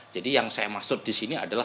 jadi yang saya maksud disini adalah